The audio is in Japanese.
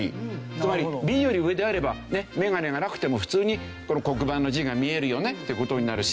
つまりＢより上であればメガネがなくても普通にこの黒板の字が見えるよねって事になるし。